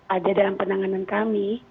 ada dalam penanganan kami